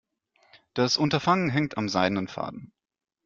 Das Unterfangen hängt am seidenen Faden.